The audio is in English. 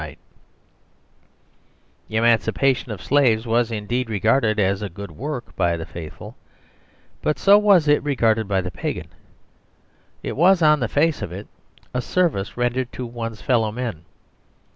The emancipation of Slaves was indeed regarded asagood work by the Faithful : but so was it regarded by the Pagan. It was, on the face of it, a service ren dered to one's fellowmen.